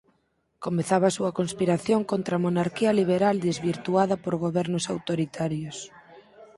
Comezaba a súa conspiración contra a monarquía liberal desvirtuada por gobernos autoritarios.